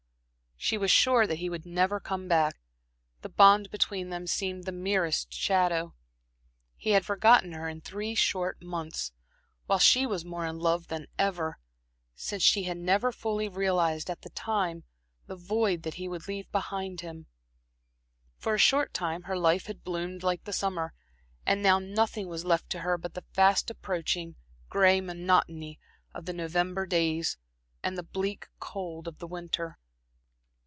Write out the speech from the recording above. She was sure that he would never come back; the bond between them seemed the merest shadow. He had forgotten her in three short months, while she was more in love than ever, since she had never fully realized, at the time, the void that he would leave behind him. For a short time her life had bloomed like the summer; and now nothing was left to her but the fast approaching gray monotony of the November days, and the bleak cold of the winter.